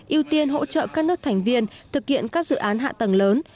ưu tiên hỗ trợ các nước thành viên thực hiện các dự án hạ tầng lớn